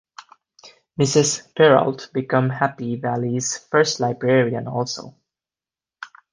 Mrs. Perrault became Happy Valley's first librarian also.